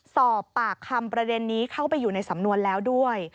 สอบปากคำประเด็นนี้เข้าไปอยู่ในสำนวนแล้วด้วย